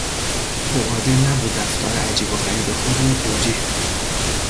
او قادر نبود رفتار عجیب و غریب خود را توجیه کند.